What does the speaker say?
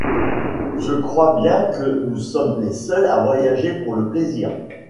Je crois bien que nous sommes les seuls à voyager pour le plaisir.